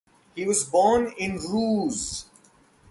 He was born in Ruse.